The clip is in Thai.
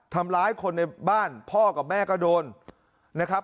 ทำร้ายคนในบ้านพ่อกับแม่ก็โดนนะครับ